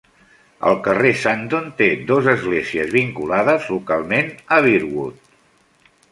el carrer Sandon té dos esglésies vinculades localment a Bearwood.